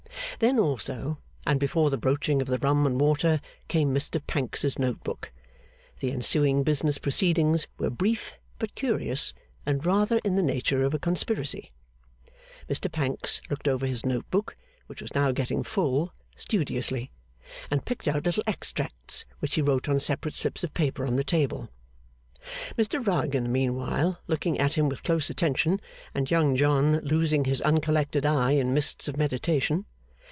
Then also, and before the broaching of the rum and water, came Mr Pancks's note book. The ensuing business proceedings were brief but curious, and rather in the nature of a conspiracy. Mr Pancks looked over his note book, which was now getting full, studiously; and picked out little extracts, which he wrote on separate slips of paper on the table; Mr Rugg, in the meanwhile, looking at him with close attention, and Young John losing his uncollected eye in mists of meditation.